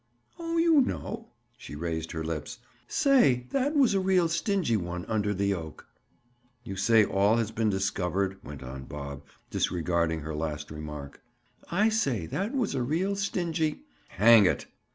"Oh, you know." She raised her lips. "Say, that was a real stingy one, under the oak." "You say all has been discovered?" went on Bob, disregarding her last remark. "I say that was a real stingy—" "Hang it!"